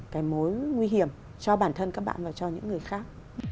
cái mối nguy hiểm cho bản thân các bạn và cho những người khác